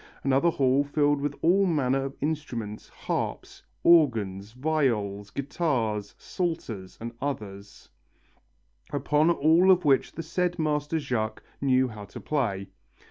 Another hall filled with all manner of instruments, harps, organs, viols, guitars, psalters, and others, upon all of which the said master Jacques knew how to play.